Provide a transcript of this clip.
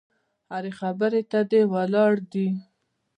هرې خبرې ته دې ولاړ دي.